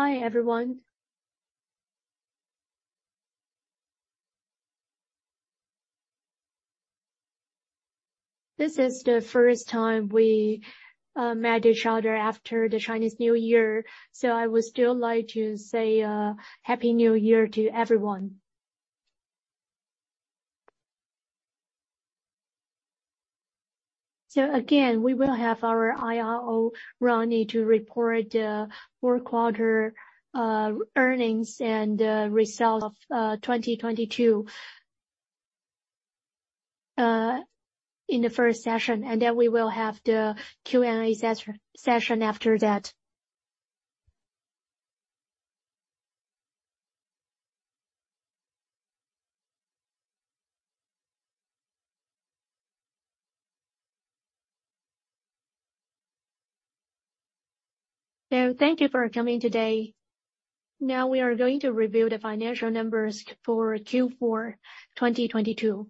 Hi, everyone. This is the first time we met each other after the Chinese New Year, I would still like to say Happy New Year to everyone. Again, we will have our IRO, Rodney, to report the fourth quarter earnings and the results of 2022 in the first session, and then we will have the Q&A session after that. Thank you for coming today. Now we are going to review the financial numbers for Q4, 2022.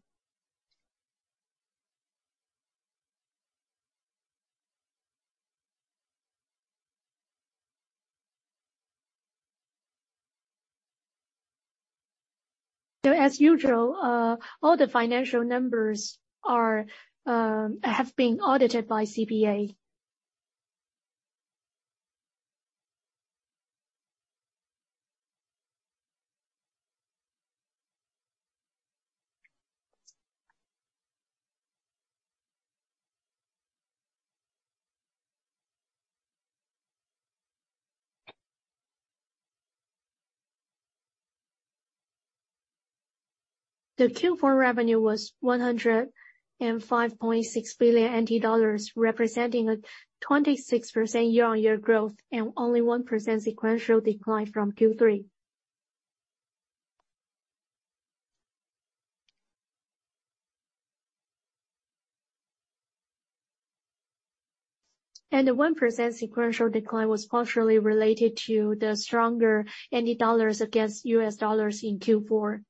As usual, all the financial numbers have been audited by CPA. The Q4 revenue was 105.6 billion NT dollars, representing a 26% year-on-year growth and only 1% sequential decline from Q3. The 1% sequential decline was partially related to the stronger NT dollars against U.S. dollars in Q4.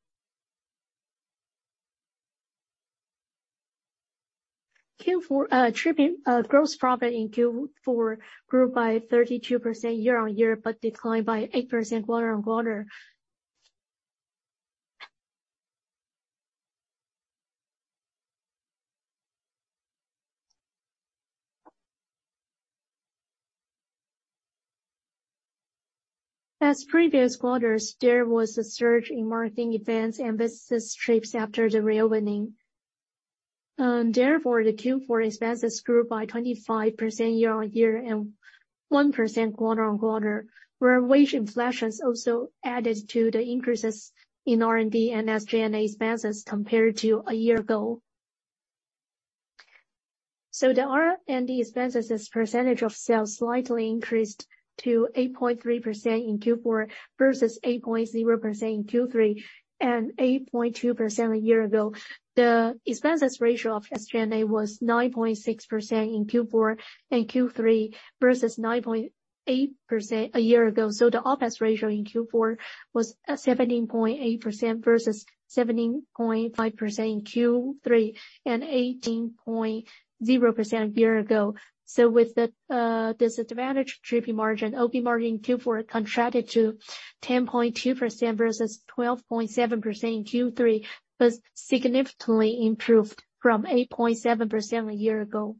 Q4. Gross profit in Q4 grew by 32% year-on-year, but declined by 8% quarter-on-quarter. As previous quarters, there was a surge in marketing events and business trips after the reopening. Therefore, the Q4 expenses grew by 25% year-on-year and 1% quarter-on-quarter, where wage inflations also added to the increases in R&D and SG&A expenses compared to a year ago. The R&D expenses as % of sales slightly increased to 8.3% in Q4 versus 8.0% in Q3 and 8.2% a year ago. The expenses ratio of SG&A was 9.6% in Q4 and Q3 versus 9.8% a year ago. The OpEx ratio in Q4 was 17.8% versus 17.5% in Q3 and 18.0% a year ago. With the disadvantage of operating leverage, OP margin in Q4 contracted to 10.2% versus 12.7% in Q3, but significantly improved from 8.7% a year ago.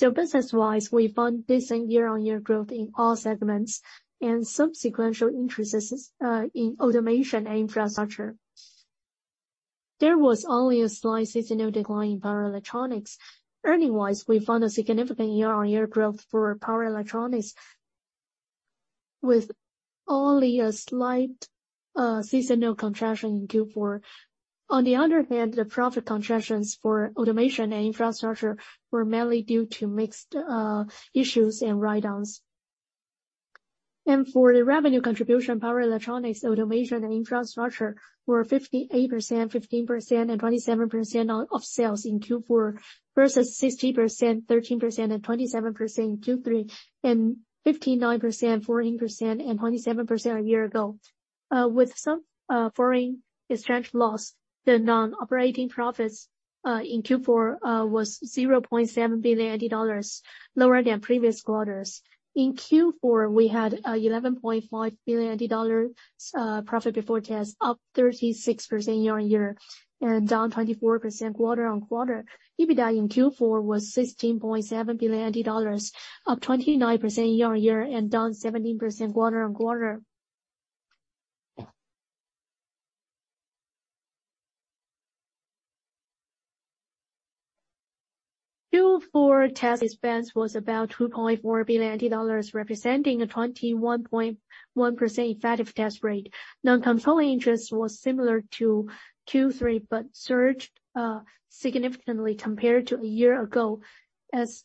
Business-wise, we found decent year-on-year growth in all segments and some sequential increases in automation and infrastructure. There was only a slight seasonal decline in power electronics. Earning-wise, we found a significant year-on-year growth for power electronics with only a slight seasonal contraction in Q4. On the other hand, the profit contractions for automation and infrastructure were mainly due to mixed issues and write-downs. For the revenue contribution, power electronics, automation and infrastructure were 58%, 15%, and 27% of sales in Q4 versus 60%, 13%, and 27% in Q3, and 59%, 14%, and 27% a year ago. With some foreign exchange loss, the non-operating profits in Q4 was 0.7 billion dollars, lower than previous quarters. In Q4, we had 11.5 billion dollars profit before tax, up 36% year-on-year and down 24% quarter-on-quarter. EBITDA in Q4 was TWD 16.7 billion, up 29% year-on-year and down 17% quarter-on-quarter. Q4 tax expense was about 2.4 billion dollars, representing a 21.1% effective tax rate. Non-controlling interest was similar to Q3, but surged significantly compared to a year ago as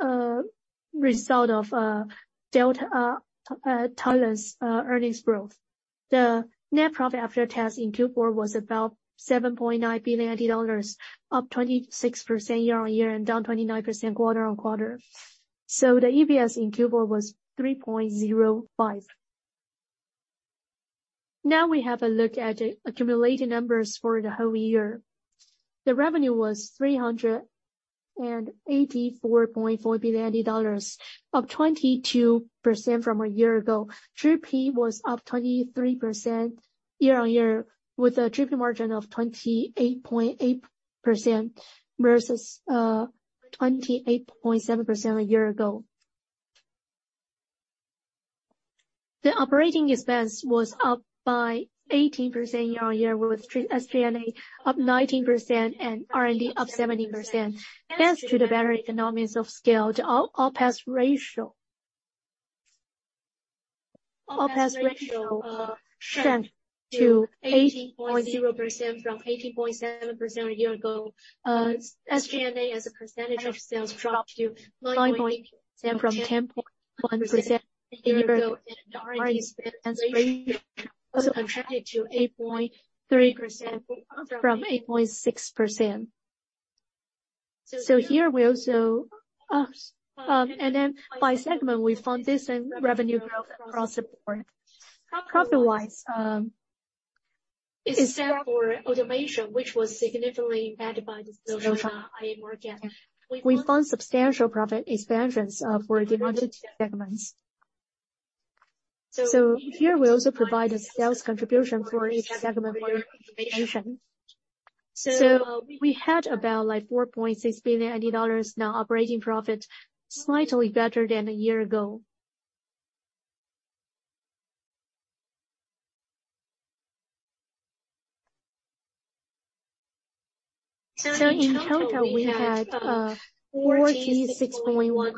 a result of Delta Thailand's earnings growth. The net profit after tax in Q4 was about 7.9 billion dollars, up 26% year-on-year and down 29% quarter-on-quarter. The EPS in Q4 was 3.05. Now we have a look at the accumulated numbers for the whole year. The revenue was 384.4 billion dollars, up 22% from a year ago. GP was up 23% year-on-year, with a GP margin of 28.8% versus 28.7% a year ago. The operating expense was up by 18% year-on-year, with SG&A up 19% and R&D up 17%. Thanks to the better economies of scale, the OpEx ratio shrank to 18.0% from 18.7% a year ago. SG&A, as a percentage of sales, dropped to 9.0% from 10.1% a year ago. R&D expense ratio also contracted to 8.3% from 8.6%. Here we also. By segment, we found decent revenue growth across the board. Profit-wise, except for automation, which was significantly impacted by the soft IM market. We found substantial profit expansions for the multiple segments. Here we also provide a sales contribution for each segment for your information. We had about, like, 4.6 billion dollars non-operating profit, slightly better than a year ago. In total, we had 46.1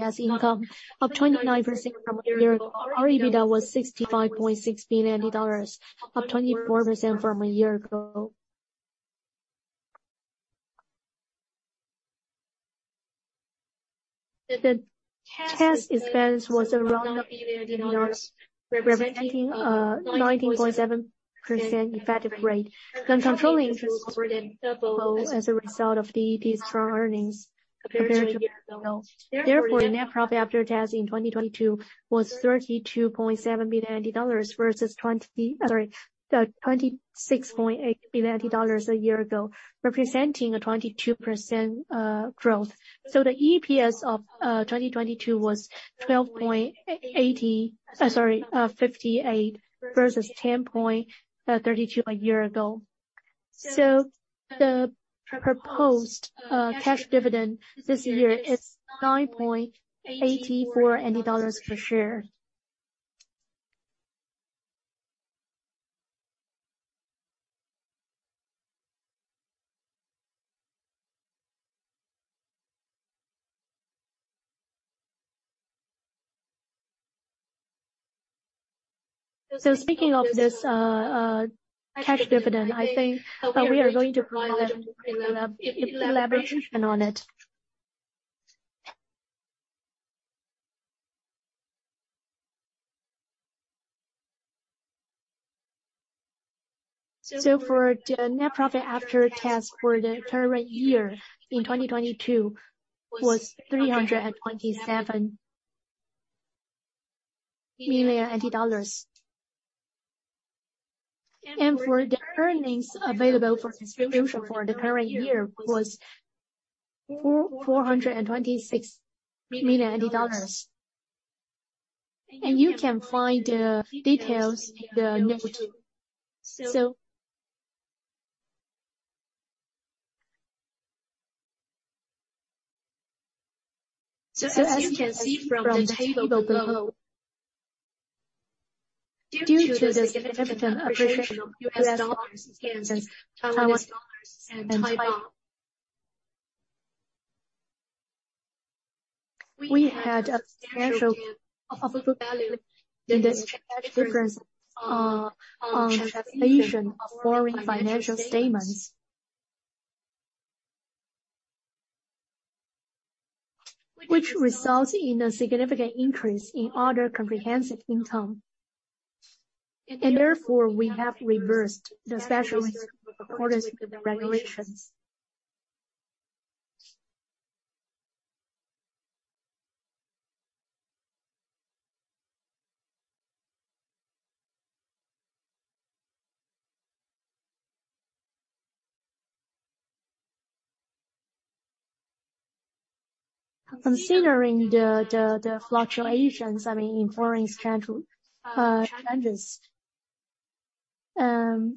as income, up 29% from a year ago. Our EBITDA was 65.6 billion dollars, up 24% from a year ago. The tax expense was around 1 billion dollars, representing 19.7% effective rate. Non-controlling interest were then low as a result of the strong earnings compared to a year ago. The net profit after tax in 2022 was TWD 32.7 billion versus TWD 26.8 billion a year ago, representing a 22% growth. The EPS of 2022 was 12.58 versus 10.32 a year ago. The proposed cash dividend this year is 9.84 dollars per share. Speaking of this cash dividend, I think we are going to provide an elaboration on it. For the net profit after tax for the current year in 2022 was TWD 327 million. For the earnings available for distribution for the current year was 426 million dollars. You can find the details in the note 2. As you can see from the table below, due to the significant appreciation of U.S. dollars against Taiwanese dollars and Thai Baht, we had a potential of value in this difference, on translation of foreign financial statements, which results in a significant increase in other comprehensive income. Therefore, we have reversed the provision in accordance with the regulations. Considering the fluctuations, I mean, in foreign exchange challenges.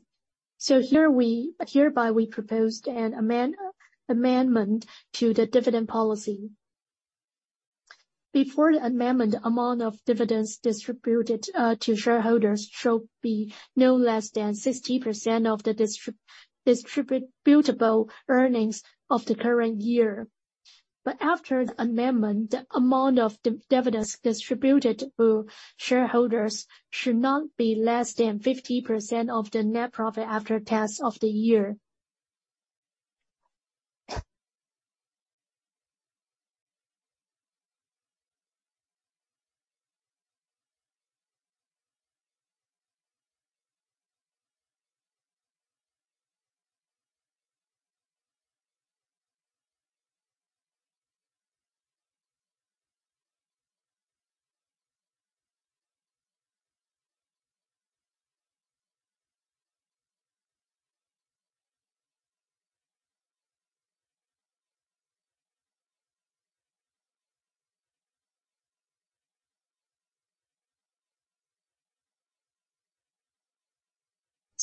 Hereby we proposed an amendment to the dividend policy. Before the amendment, the amount of dividends distributed to shareholders shall be no less than 60% of the distributable earnings of the current year. After the amendment, the amount of dividends distributed to shareholders should not be less than 50% of the net profit after tax of the year.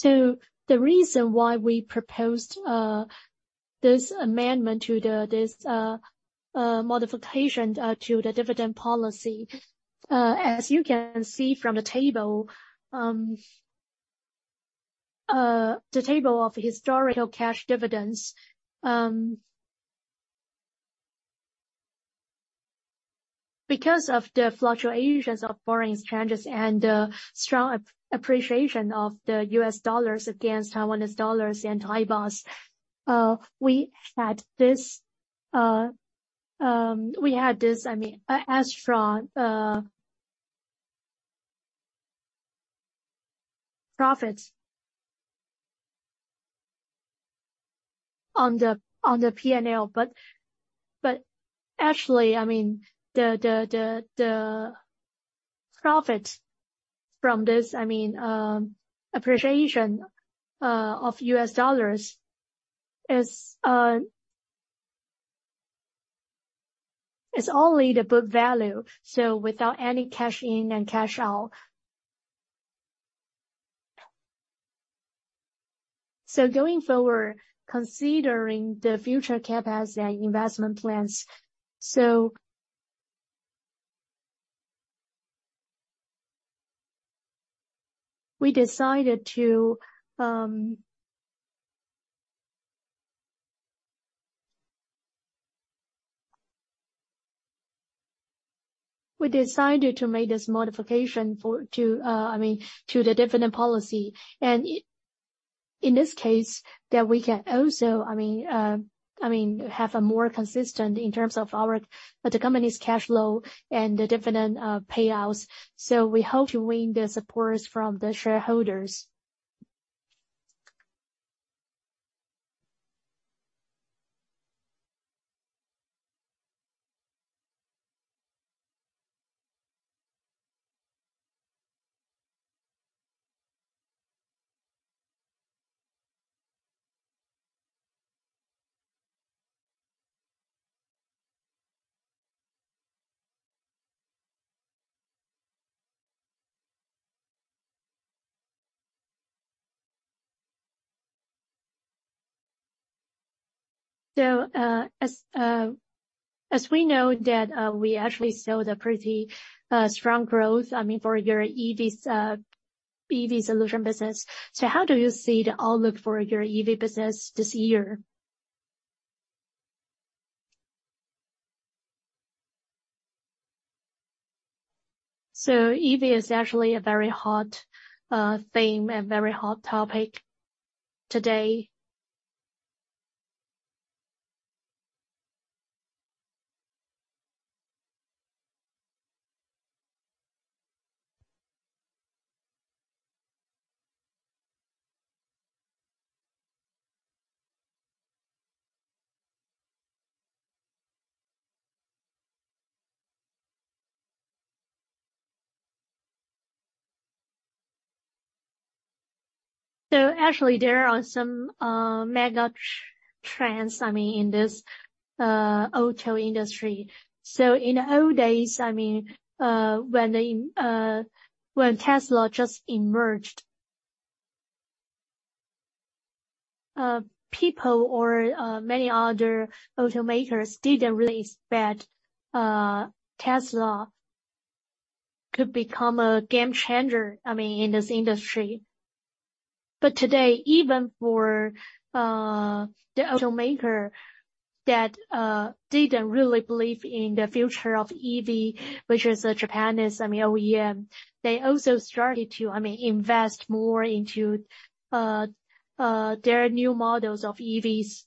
The reason why we proposed this amendment to this modification to the dividend policy, as you can see from the table, the table of historical cash dividends, because of the fluctuations of foreign exchanges and the strong appreciation of the U.S. dollars against Taiwanese dollars and Thai Baht, we had this, I mean, a strong profits on the P&L. Actually, I mean, the profit from this, I mean, appreciation of U.S. dollars is only the book value, so without any cash in and cash out. Going forward, considering the future capacity and investment plans, we decided to make this modification for, to, I mean, to the dividend policy. In this case, that we can also, I mean, have a more consistent in terms of our, the company's cash flow and the dividend payouts. We hope to win the supports from the shareholders. As, as we know that, we actually saw the pretty strong growth, I mean, for your EVs, EV solution business. How do you see the outlook for your EV business this year? EV is actually a very hot theme and very hot topic today. Actually there are some mega trends, I mean, in this auto industry. In the old days, I mean, when Tesla just emerged, people or many other automakers didn't really expect Tesla could become a game-changer, I mean, in this industry. Today, even for the automaker that didn't really believe in the future of EV, which is the Japanese, I mean, OEM, they also started to, I mean, invest more into their new models of EVs.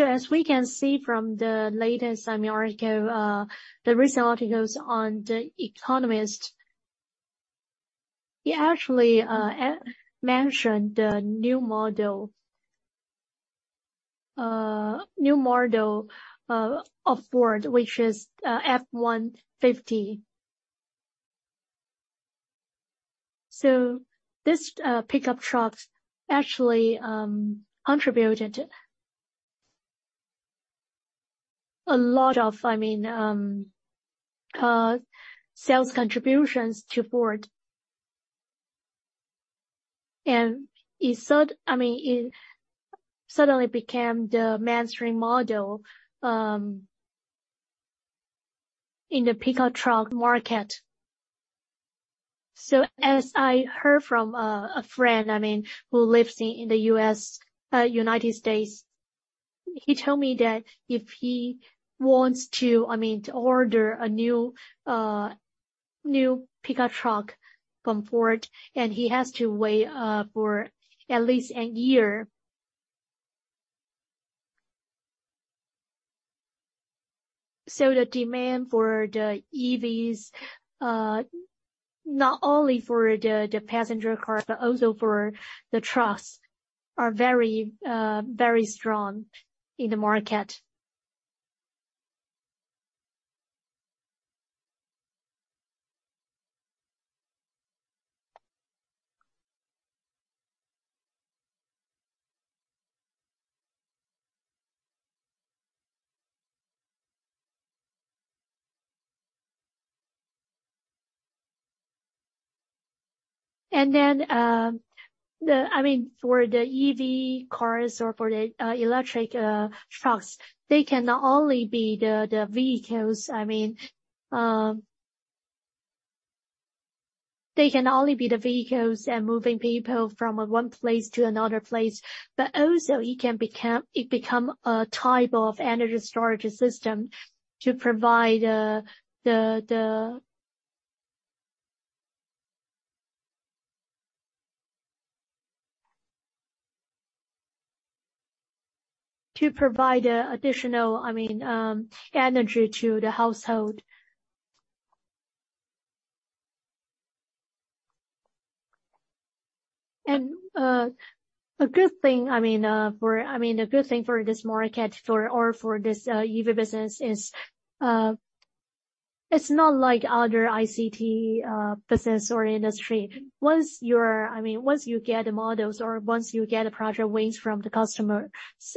As we can see from the latest, I mean, article, the recent articles on The Economist, it actually mentioned the new model of Ford, which is F-150. This pickup truck actually contributed a lot of, I mean, sales contributions to Ford. It suddenly became the mainstream model, I mean, in the pickup truck market. As I heard from a friend, I mean, who lives in the U.S., United States, he told me that if he wants to, I mean, to order a new pickup truck from Ford, he has to wait for at least a year. The demand for the EVs, not only for the passenger car, but also for the trucks are very strong in the market. For the EV cars or for the electric trucks, they can not only be the vehicles and moving people from one place to another place, but also it become a type of Energy Storage System to provide additional energy to the household. A good thing, I mean, a good thing for this market for, or for this EV business is, it's not like other ICT business or industry. Once, I mean, once you get the models or once you get the project wins from the customer,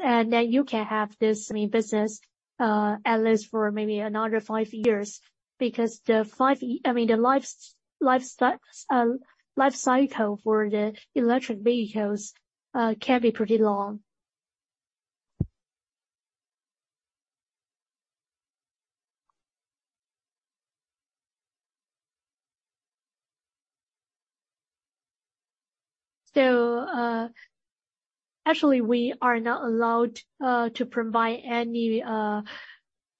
and then you can have this, I mean, business, at least for maybe another 5 years. Because the, I mean, the life cycle for the electric vehicles can be pretty long. Actually we are not allowed to provide any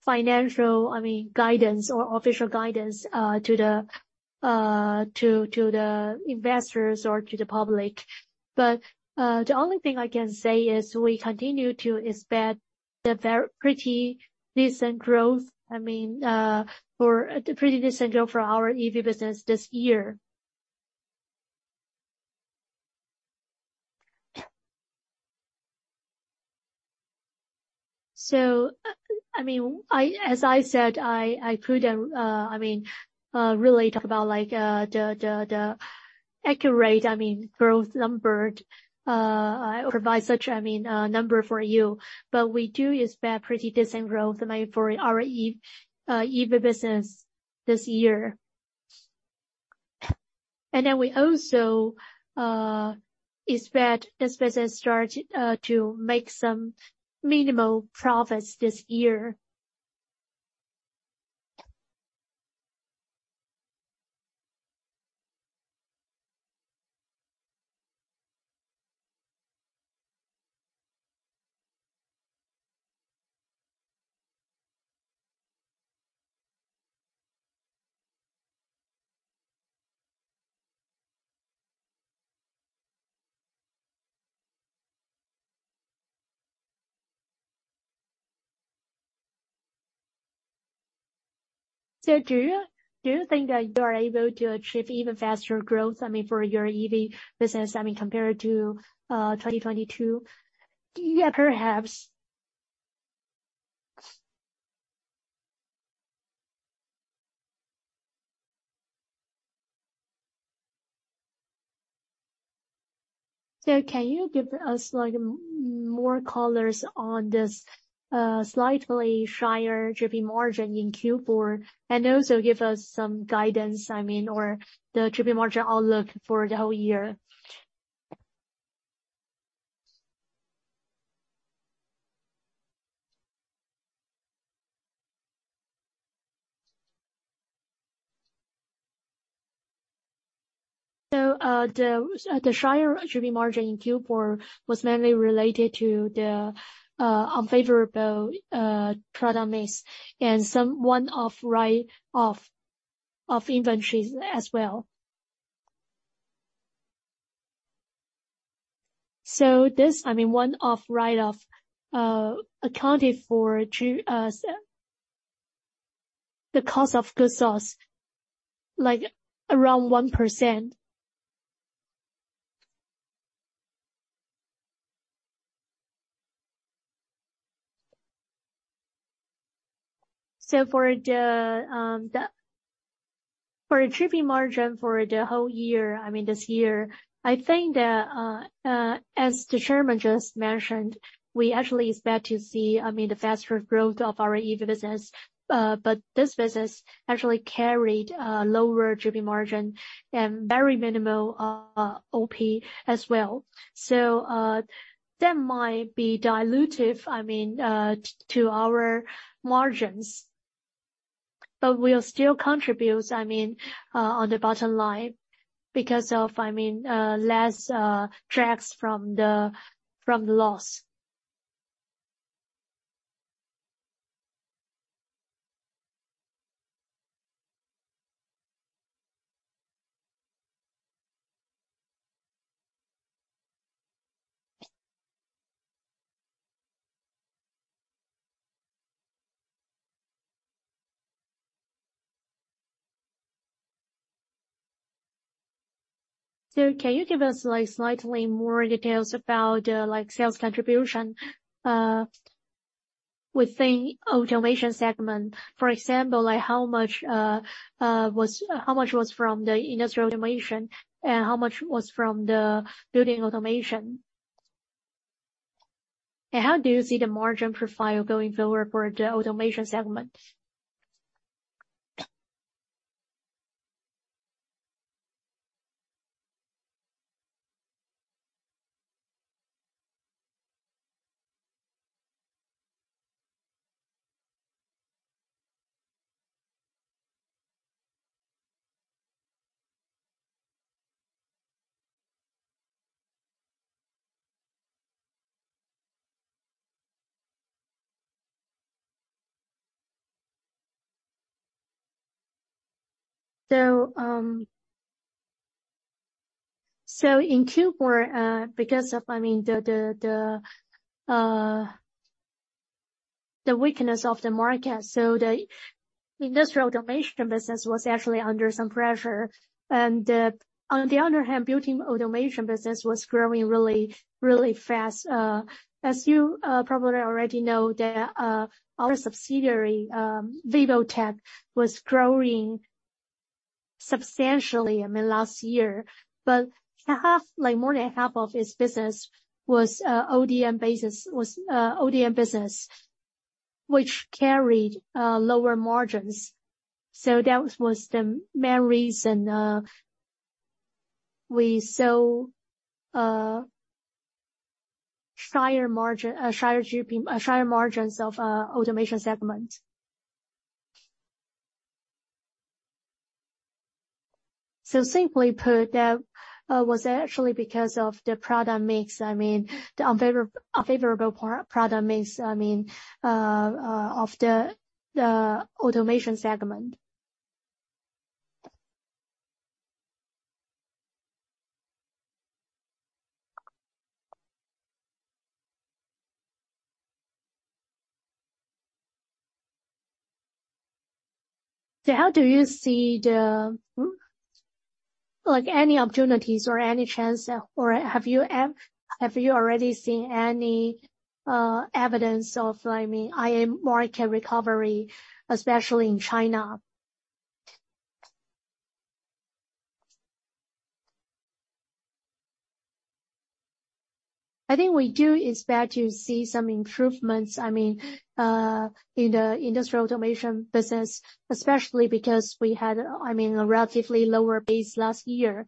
financial, I mean, guidance or official guidance to the investors or to the public. The only thing I can say is we continue to expect the pretty decent growth, I mean, for. A pretty decent growth for our EV business this year. I mean, I as I said, I couldn't, I mean, really talk about like, the accurate, I mean, growth number. I provide such, I mean, number for you. We do expect pretty decent growth, I mean, for our EV business this year. We also expect this business start to make some minimal profits this year. Do you think that you are able to achieve even faster growth, I mean, for your EV business, I mean, compared to 2022? Yeah, perhaps. Can you give us like more colors on this, slightly higher gross margin in Q4, and also give us some guidance, I mean, or the gross margin outlook for the whole year? The higher gross margin in Q4 was mainly related to the unfavorable product mix and some one-off write off of inventories as well. This, I mean, one-off write off accounted for to the Cost of Goods Sold, like around 1%. For the shipping margin for the whole year, I mean this year, I think that as the chairman just mentioned, we actually expect to see, I mean, the faster growth of our EV business. But this business actually carried lower shipping margin and very minimal OP as well. That might be dilutive, I mean, to our margins. But we'll still contribute, I mean, on the bottom line because of, I mean, less drags from the loss. Can you give us slightly more details about sales contribution within automation segment? For example, how much was from the industrial automation and how much was from the building automation? How do you see the margin profile going forward for the automation segment? In Q4, because of the weakness of the market, the industrial automation business was actually under some pressure. On the other hand, building automation business was growing really, really fast. As you probably already know that our subsidiary, VIVOTEK, was growing substantially last year. Like more than half of its business was ODM business, which carried lower margins. That was the main reason we saw higher margins of automation segment. Simply put, that was actually because of the product mix, I mean, the unfavorable product mix, I mean, of the automation segment. How do you see the, like any opportunities or any chance, or have you already seen any evidence of, I mean, IM market recovery, especially in China? I think we do expect to see some improvements, I mean, in the industrial automation business, especially because we had, I mean, a relatively lower base last year.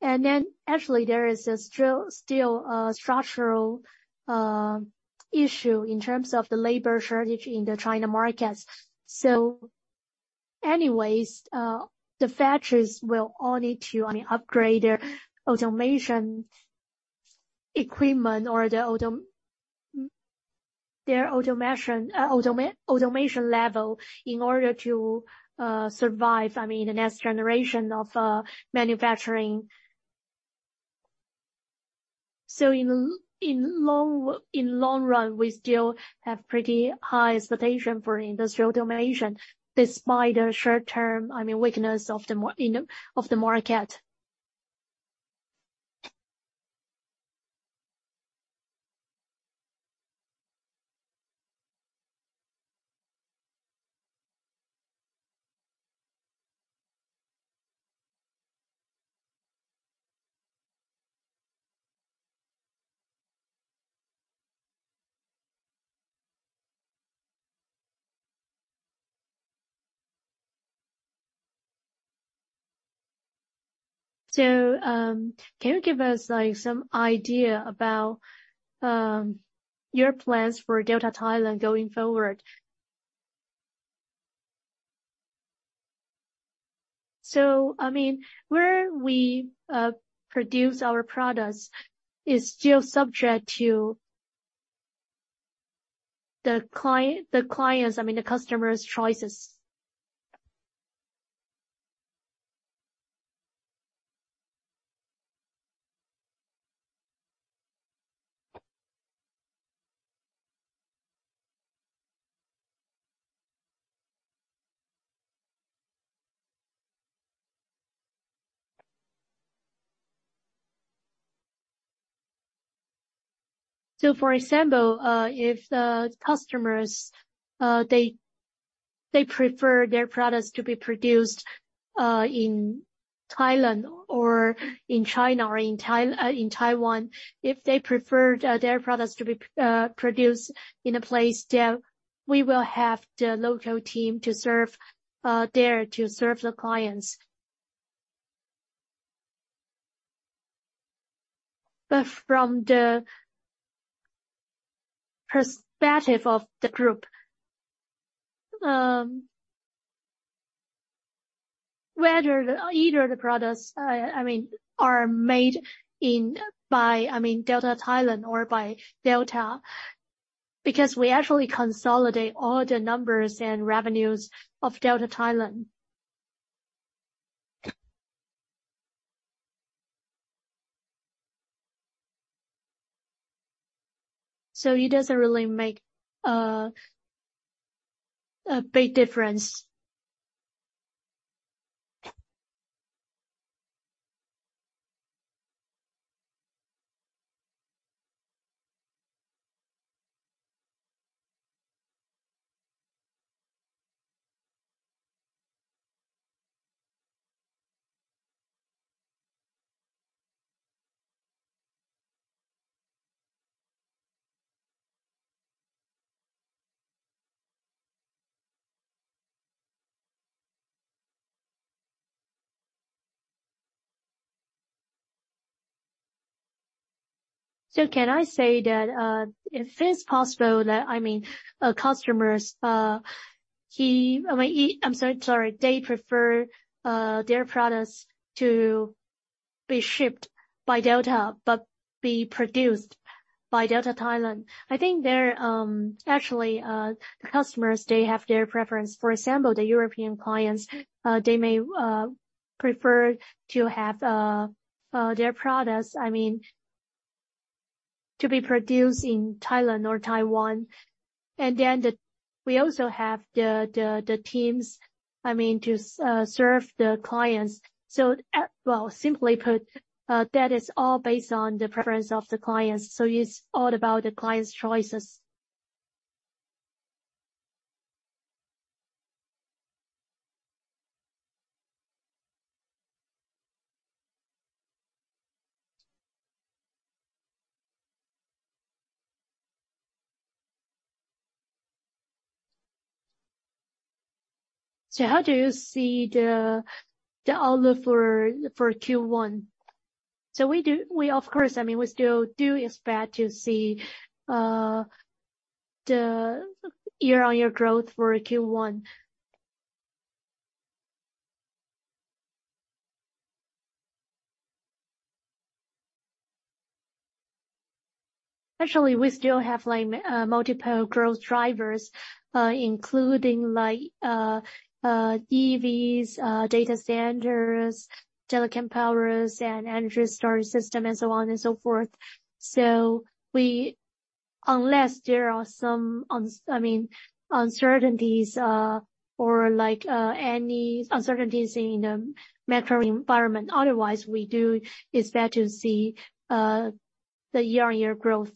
Actually there is still a structural issue in terms of the labor shortage in the China markets. Anyways, the factories will all need to, I mean, upgrade their automation equipment or their automation level in order to survive, I mean, the next generation of manufacturing. In the long run, we still have pretty high expectation for industrial automation, despite the short term, I mean, weakness of the market. Can you give us, like, some idea about your plans for Delta Thailand going forward? Where we produce our products is still subject to the clients, I mean, the customers' choices. For example, if the customers, they prefer their products to be produced in Thailand or in China or in Taiwan. If they prefer their products to be produced in a place there, we will have the local team to serve there to serve the clients. From the perspective of the group, whether either of the products, I mean, are made in by, I mean, Delta Thailand or by Delta, because we actually consolidate all the numbers and revenues of Delta Thailand. It doesn't really make a big difference. Can I say that if it's possible that, I mean, customers, I'm so sorry. They prefer their products to be shipped by Delta, but be produced by Delta Thailand. I think they're actually the customers, they have their preference. For example, the European clients, they may prefer to have their products, I mean, to be produced in Thailand or Taiwan. We also have the teams, I mean, to serve the clients. Well, simply put, that is all based on the preference of the clients. It's all about the clients' choices. How do you see the outlook for Q1? We of course, I mean, we still do expect to see the year-on-year growth for Q1. Actually, we still have like multiple growth drivers, including like EVs, data centers, telecom powers and Energy Storage System and so on and so forth. Unless there are some, I mean, uncertainties or like any uncertainties in the macro environment. Otherwise, we do expect to see the year-on-year growth.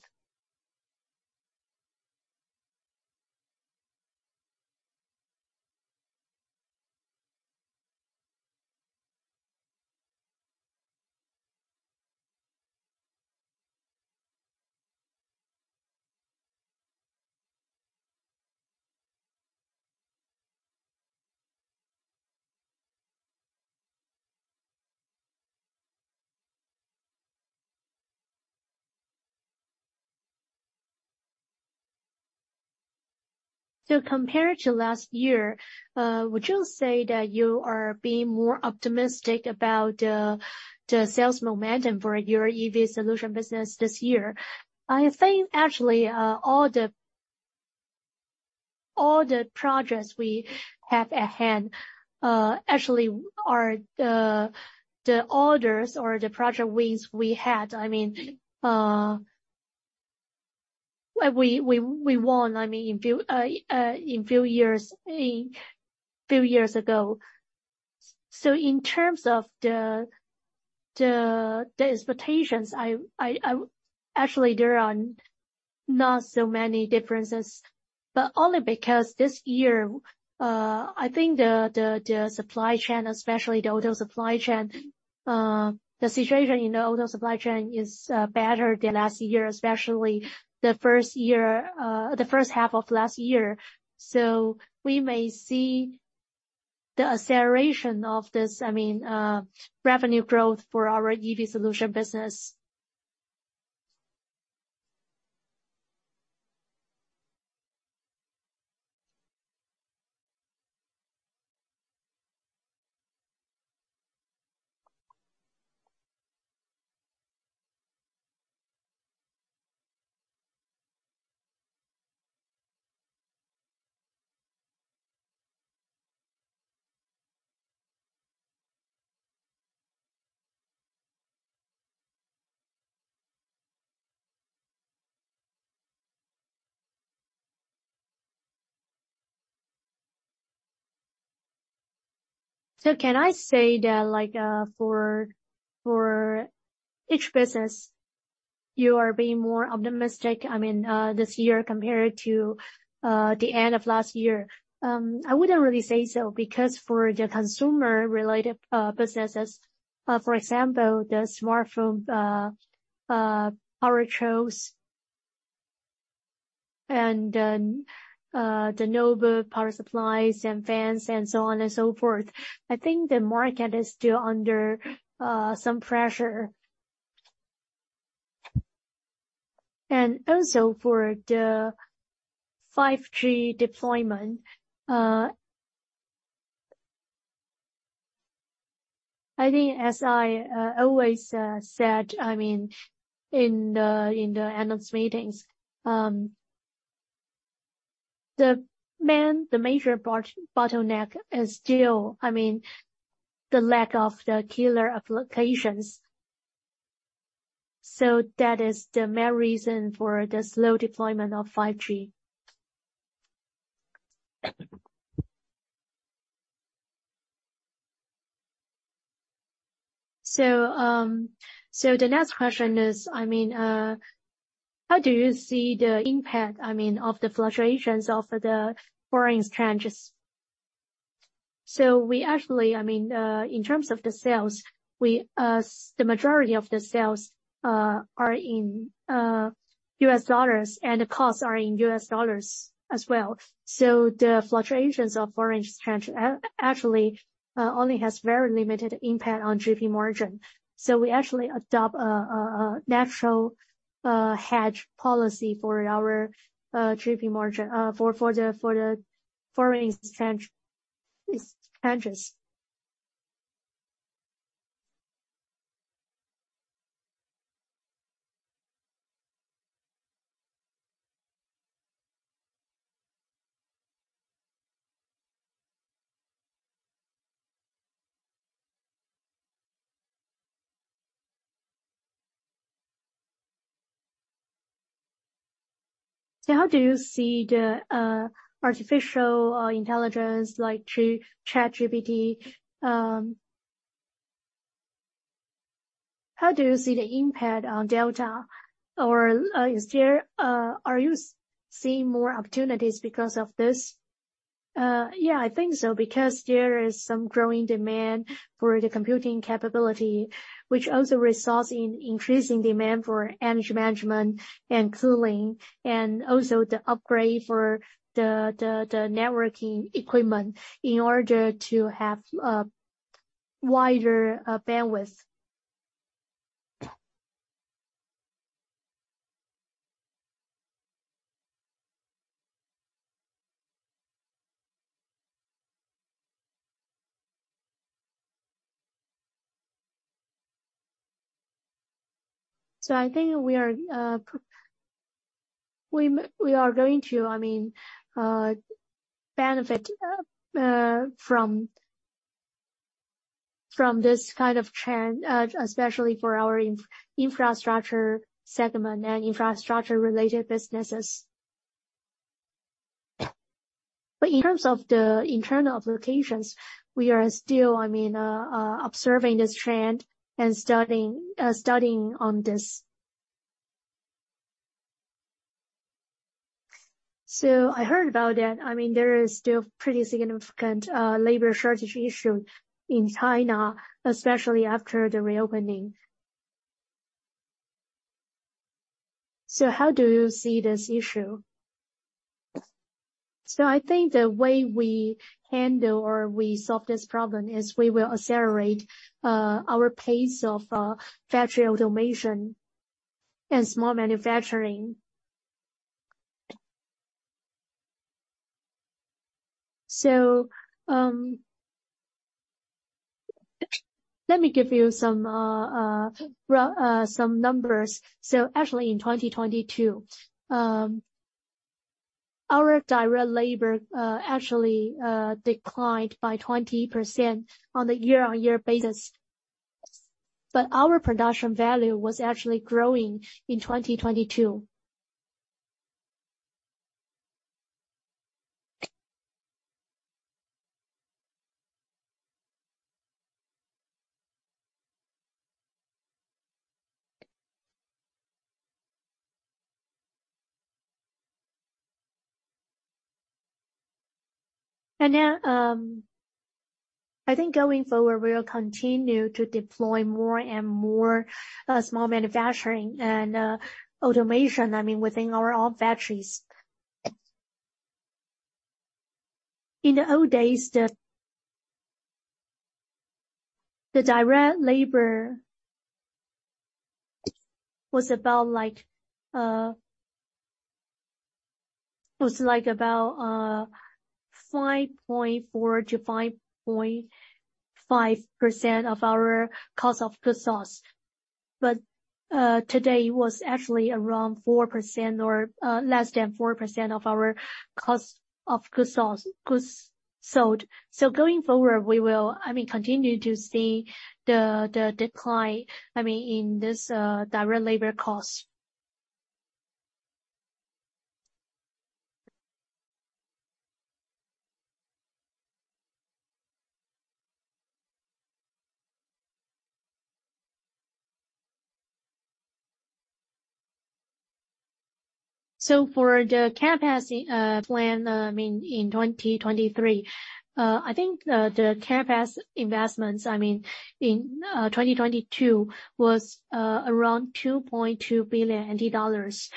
Compared to last year, would you say that you are being more optimistic about the sales momentum for your EV solution business this year? I think actually, all the projects we have at hand, actually are the orders or the project wins we had. I mean, we won, I mean, in few years, a few years ago. In terms of the expectations, actually, there are not so many differences. Only because this year, I think the supply chain, especially the auto supply chain, the situation in the auto supply chain is better than last year, especially the first year, the first half of last year. We may see the acceleration of this, I mean, revenue growth for our EV solution business. Can I say that like, for each business, you are being more optimistic, I mean, this year compared to the end of last year? I wouldn't really say so, because for the consumer related businesses, for example, the smartphone power chokes and the notebook power supplies and fans and so on and so forth, I think the market is still under some pressure. Also for the 5G deployment, I think as I always said, I mean, in the analyst meetings, the major bottleneck is still, I mean, the lack of the killer applications. That is the main reason for the slow deployment of 5G. The next question is, I mean, how do you see the impact, I mean, of the fluctuations of the foreign exchanges? We actually, I mean, in terms of the sales, we, the majority of the sales, are in U.S. dollars, and the costs are in U.S. dollars as well. The fluctuations of foreign exchange actually only has very limited impact on GP margin. We actually adopt a natural hedge policy for our GP margin for the foreign exchange exchanges. How do you see the artificial intelligence, like ChatGPT? How do you see the impact on Delta? Or, are you seeing more opportunities because of this? Yeah, I think so, because there is some growing demand for the computing capability, which also results in increasing demand for energy management and cooling, and also the upgrade for the networking equipment in order to have wider bandwidth. I think we are going to, I mean, benefit from this kind of trend, especially for our infrastructure segment and infrastructure related businesses. In terms of the internal applications, we are still, I mean, observing this trend and studying on this. I heard about that. I mean, there is still pretty significant labor shortage issue in China, especially after the reopening. How do you see this issue? I think the way we handle or we solve this problem is we will accelerate our pace of factory automation and Smart Manufacturing. Let me give you some numbers. Actually in 2022, our direct labor actually declined by 20% on the year-over-year basis, but our production value was actually growing in 2022. I think going forward, we will continue to deploy more and more Smart Manufacturing and automation, I mean, within our own factories. In the old days, the direct labor was about like 5.4%-5.5% of our Cost of Goods Sold. Today it was actually around 4% or less than 4% of our Cost of Goods Sold. Going forward, we will, I mean, continue to see the decline, I mean, in this direct labor cost. For the CapEx plan, I mean, in 2023, I think the CapEx investments, I mean, in 2022 was around 2.2 billion NT dollars.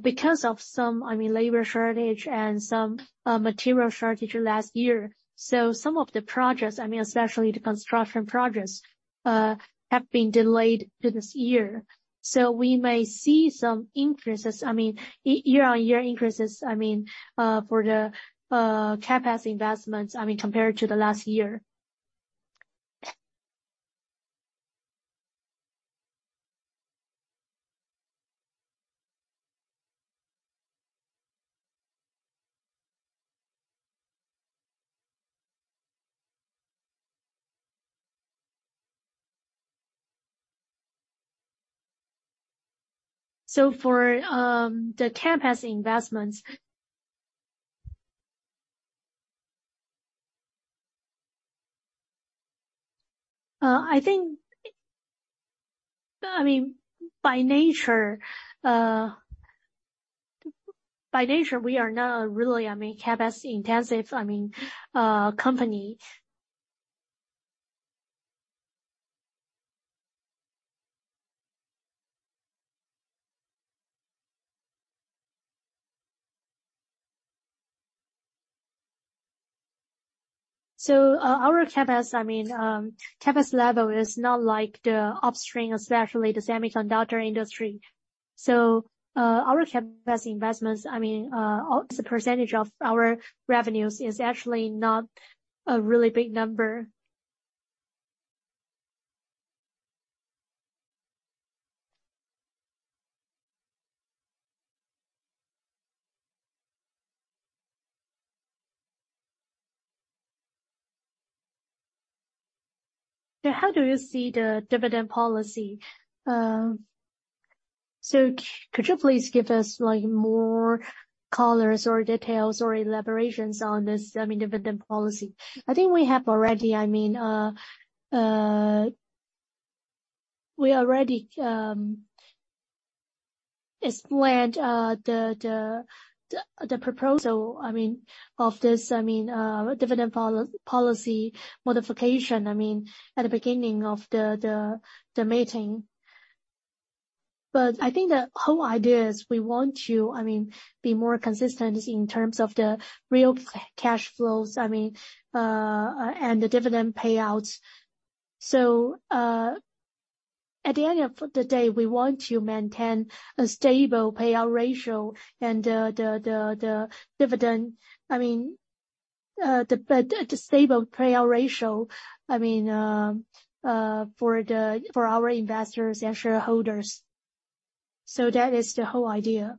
Because of some, I mean, labor shortage and some material shortage last year. Some of the projects, I mean, especially the construction projects, have been delayed to this year. We may see some increases, I mean, year-on-year increases, I mean, for the CapEx investments, I mean, compared to the last year. For the CapEx investments, I think, I mean, by nature, we are not really, I mean, CapEx intensive, I mean, company. Our CapEx, I mean, CapEx level is not like the upstream, especially the semiconductor industry. Our CapEx investments, I mean, as a percentage of our revenues, is actually not a really big number. How do you see the dividend policy? Could you please give us, like, more colors or details or elaborations on this, I mean, dividend policy? I think we have already, I mean, we already explained the proposal, I mean, of this, I mean, dividend policy modification, I mean, at the beginning of the meeting. I think the whole idea is we want to, I mean, be more consistent in terms of the real cash flows, I mean, and the dividend payouts. At the end of the day, we want to maintain a stable payout ratio and the dividend, I mean, the stable payout ratio, I mean, for our investors and shareholders. That is the whole idea.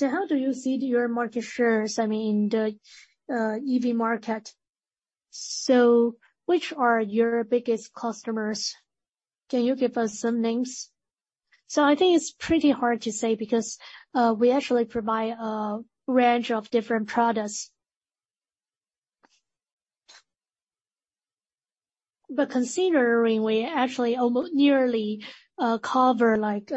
How do you see your market shares, I mean, in the EV market? Which are your biggest customers? Can you give us some names? I think it's pretty hard to say because we actually provide a range of different products. But considering we actually nearly cover like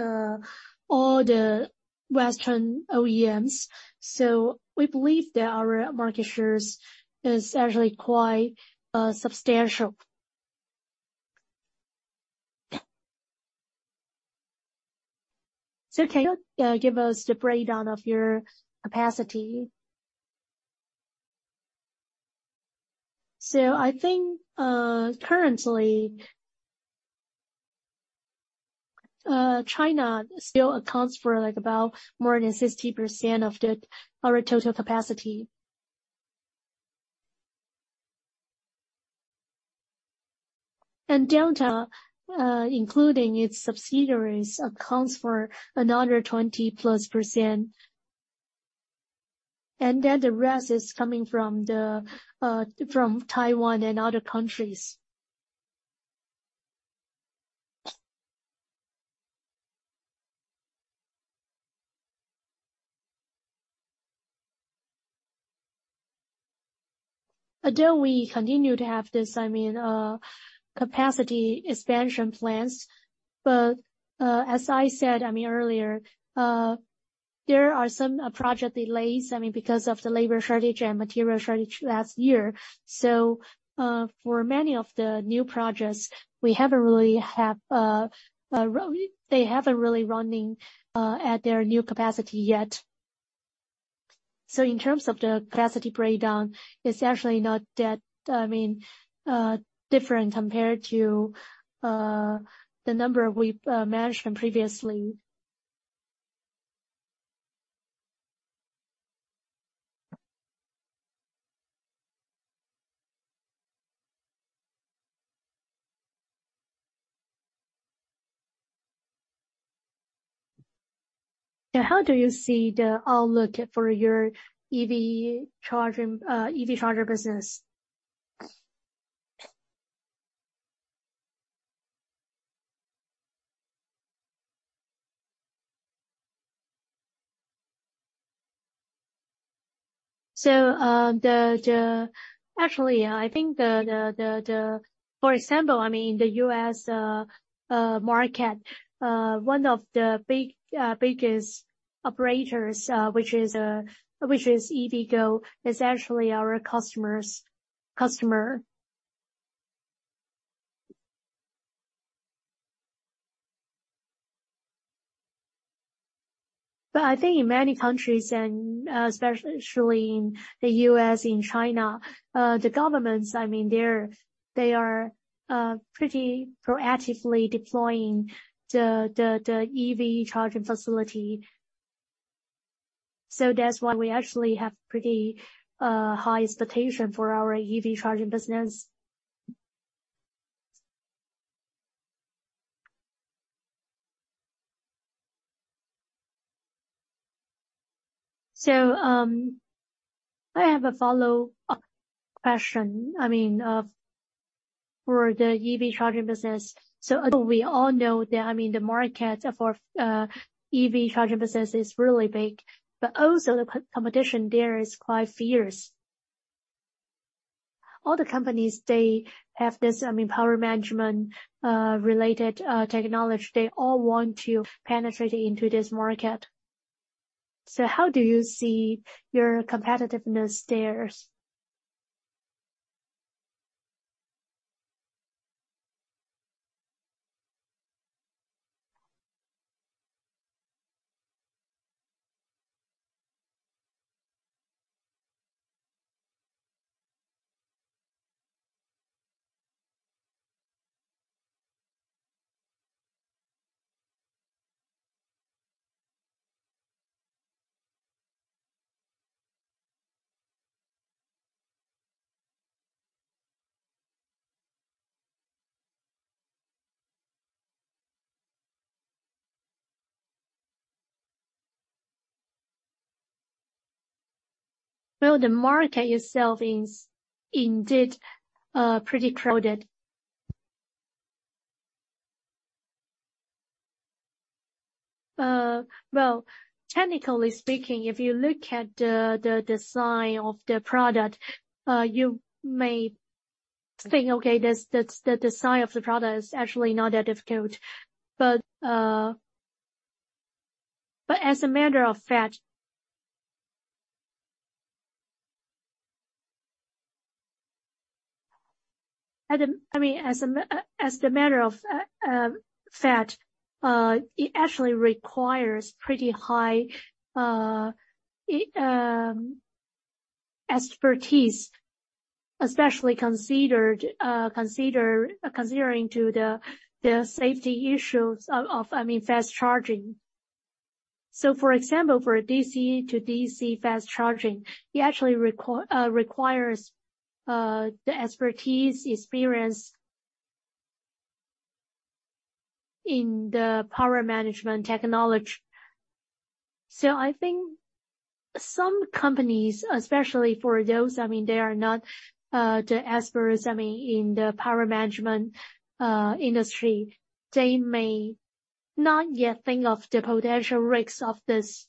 all the Western OEMs. We believe that our market shares is actually quite substantial. Can you give us the breakdown of your capacity? I think, currently, China still accounts for like about more than 60% of our total capacity. Delta, including its subsidiaries, accounts for another 20%+. The rest is coming from Taiwan and other countries. Although we continue to have this, I mean, capacity expansion plans. As I said, I mean, earlier, there are some project delays, I mean, because of the labor shortage and material shortage last year. For many of the new projects, we haven't really have, they haven't really running at their new capacity yet. In terms of the capacity breakdown, it's actually not that, I mean, different compared to the number we've mentioned previously. How do you see the outlook for your EV charging, EV charger business? Actually, I think the, for example, I mean, the U.S. market, one of the biggest operators, which is EVgo, is actually our customer's customer. I think in many countries, and especially in the U.S., in China, the governments, I mean, they are pretty proactively deploying the EV charging facility. That's why we actually have pretty high expectation for our EV charging business. I have a follow-up question. I mean, for the EV charging business. We all know that, I mean, the market for EV charging business is really big, but also the competition there is quite fierce. All the companies, they have this, I mean, power management related technology. They all want to penetrate into this market. How do you see your competitiveness there? Well, the market itself is indeed pretty crowded. Well, technically speaking, if you look at the design of the product, you may think, okay, the design of the product is actually not that difficult. As a matter of fact, I mean, as a matter of fact, it actually requires pretty high expertise, especially considering to the safety issues of, I mean, fast charging. For example, for DC-to-DC fast charging, it actually requires the expertise, experience in the power management technology. I think some companies, especially for those, I mean, they are not, the experts, I mean, in the power management industry, they may not yet think of the potential risks of this.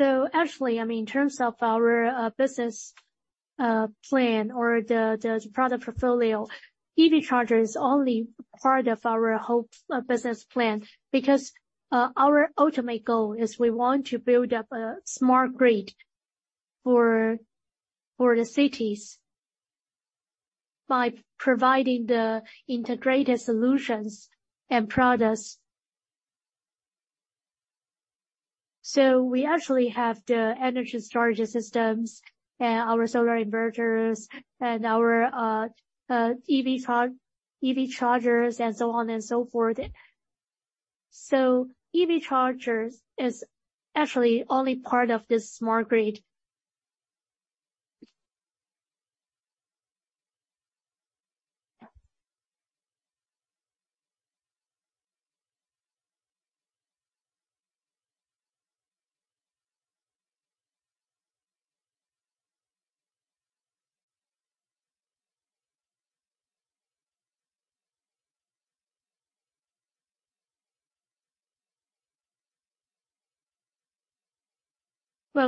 Actually, I mean, in terms of our business plan or the product portfolio, EV charger is only part of our whole business plan. Our ultimate goal is we want to build up a smart grid for the cities by providing the integrated solutions and products. We actually have the Energy Storage Systems and our solar inverters and our EV chargers and so on and so forth. EV chargers is actually only part of this smart grid.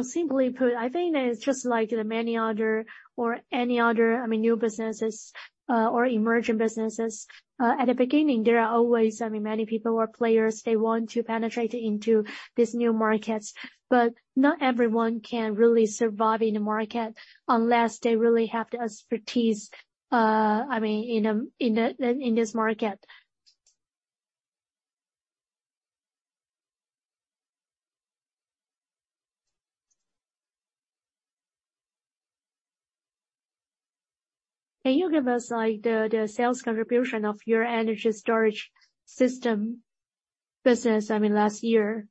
Simply put, I think that it's just like the many other or any other, I mean, new businesses, or emerging businesses. At the beginning, there are always, I mean, many people or players, they want to penetrate into these new markets, but not everyone can really survive in the market unless they really have the expertise, I mean, in this market. Can you give us, like, the sales contribution of your Energy Storage System business, I mean, last year?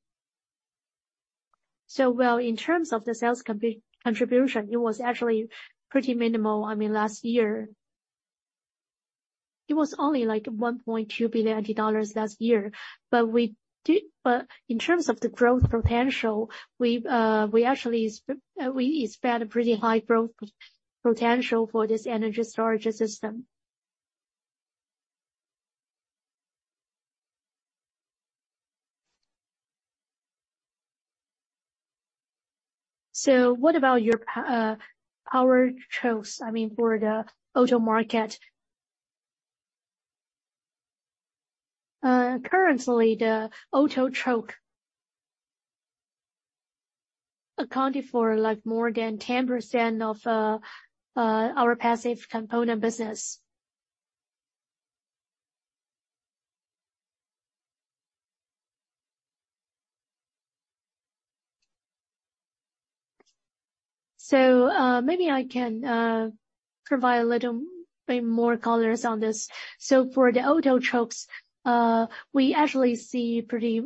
Well, in terms of the sales contribution, it was actually pretty minimal, I mean, last year. It was only like $1.2 billion last year. In terms of the growth potential, we actually expect a pretty high growth potential for this Energy Storage System. What about your power chokes, I mean, for the auto market? Currently, the auto choke accounted for, like, more than 10% of our passive component business. Maybe I can provide a little bit more colors on this. For the auto chokes, we actually see pretty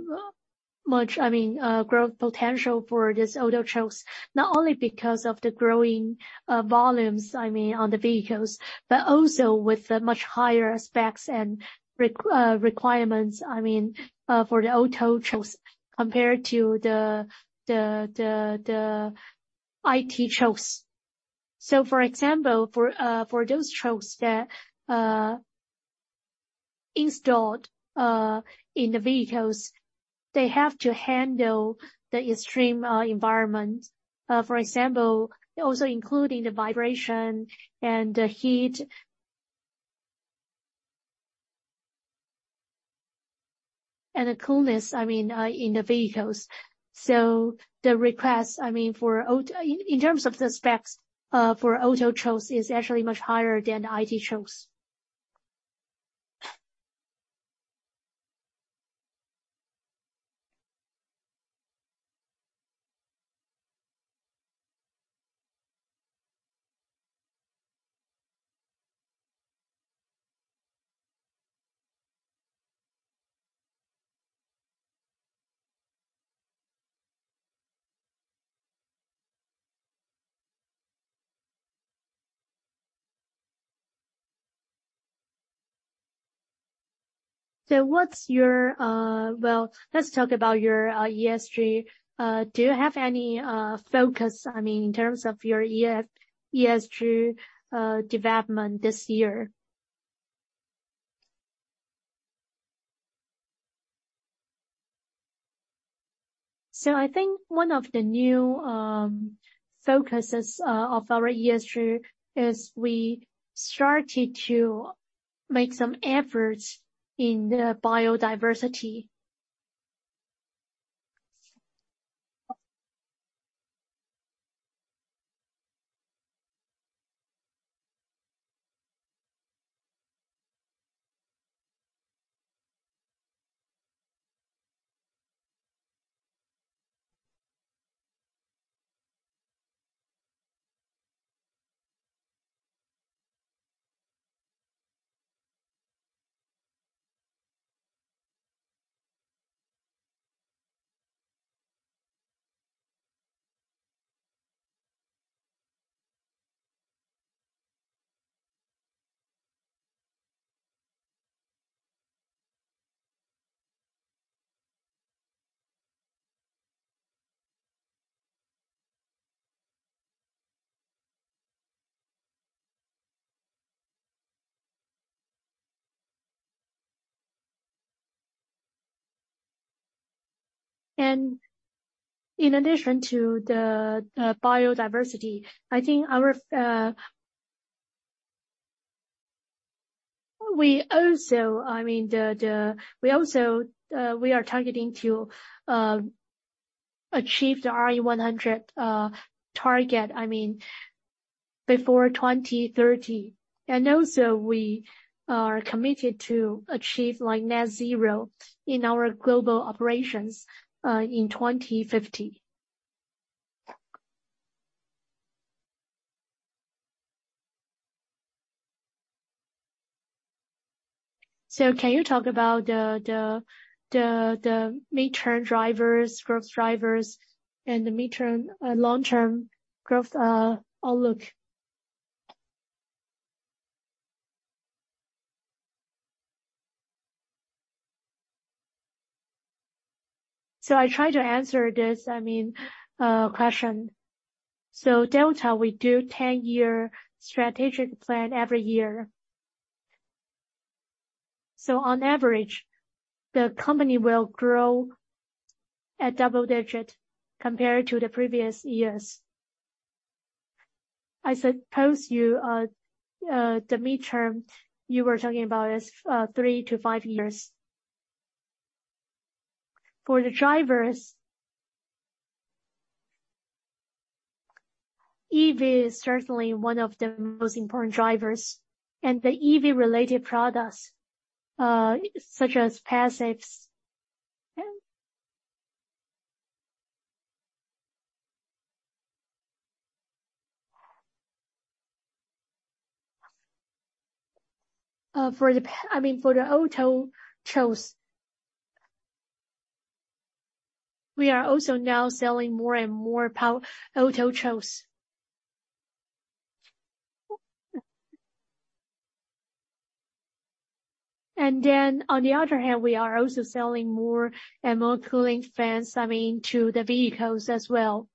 much, I mean, growth potential for these auto chokes, not only because of the growing volumes, I mean, on the vehicles, but also with the much higher specs and requirements, I mean, for the auto chokes compared to the IT chokes. For example, for those chokes that installed in the vehicles, they have to handle the extreme environment. For example, also including the vibration and the heat. The coolness, I mean, in the vehicles. The request, I mean, in terms of the specs for auto chokes is actually much higher than IT chokes. What's your. Well, let's talk about your ESG. Do you have any focus, I mean, in terms of your ESG development this year? I think one of the new focuses of our ESG is we started to make some efforts in the biodiversity. In addition to the biodiversity, I think our. We also, I mean, we also, we are targeting to achieve the RE100 target, I mean, before 2030. Also, we are committed to achieve, like, net zero in our global operations in 2050. Can you talk about the midterm drivers, growth drivers and the midterm long-term growth outlook? I try to answer this, I mean, question. Delta, we do 10-year strategic plan every year. On average, the company will grow at double-digit compared to the previous years. I suppose you the midterm you were talking about is 3 to 5 years. For the drivers, EV is certainly one of the most important drivers, and the EV related products, such as passives and I mean, for the auto chokes. We are also now selling more and more power auto chokes. On the other hand, we are also selling more and more cooling fans, I mean, to the vehicles as well.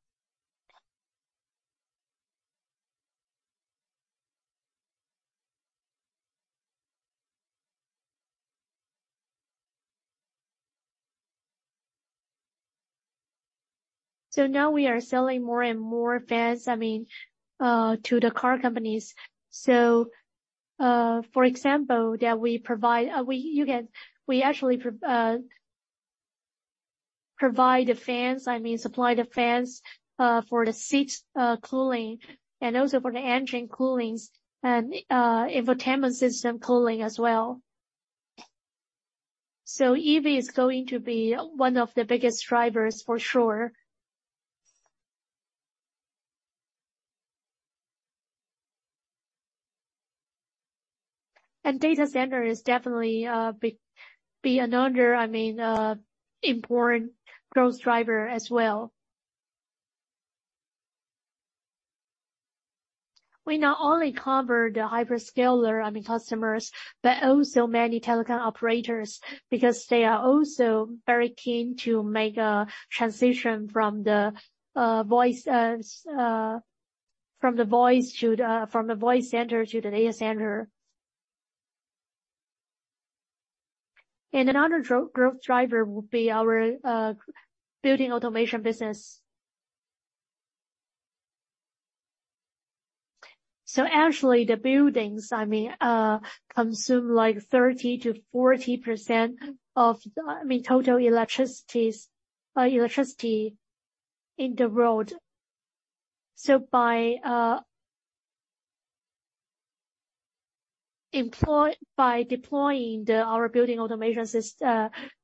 Now we are selling more and more fans, I mean, to the car companies. For example that we actually provide the fans, I mean supply the fans, for the seats, cooling and also for the engine coolings and infotainment system cooling as well. EV is going to be one of the biggest drivers for sure. Data center is definitely be another, I mean, important growth driver as well. We not only cover the hyperscaler, I mean customers, but also many telecom operators, because they are also very keen to make a transition from the voice center to the data center. Another growth driver will be our building automation business. Actually the buildings, I mean, consume like 30%-40% of total electricity in the world. By deploying our building automation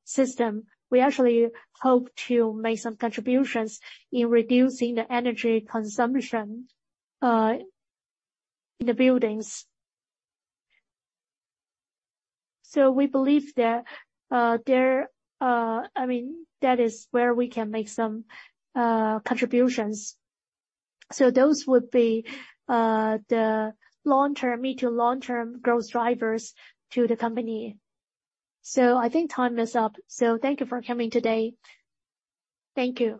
system, we actually hope to make some contributions in reducing the energy consumption in the buildings. We believe that there, I mean, that is where we can make some contributions. Those would be the long term, mid to long term growth drivers to the company. I think time is up. Thank you for coming today. Thank you.